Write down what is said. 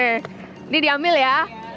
ini diambil ya